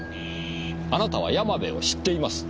あなたは山部を知っています。